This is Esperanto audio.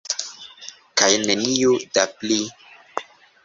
Kaj neniu da pli.